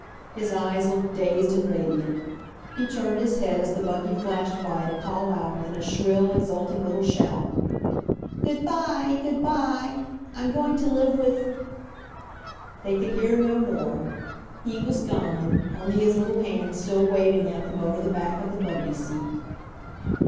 His eyes looked dazed and radiant. He turned his head as the buggy flashed by to call out, in a shrill, exulting little shout, "Good bye! Good bye! I'm going to live with ..." They could hear no more. He was gone, only his little hand still waving at them over the back of the buggy seat.